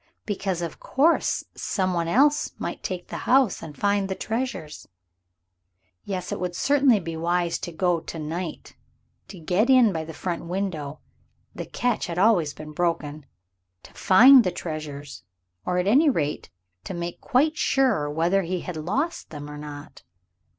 Because of course some one else might take the house and find the treasures. Yes, it would certainly be wise to go to night, to get in by the front window the catch had always been broken to find his treasures, or at any rate to make quite sure whether he had lost them or not.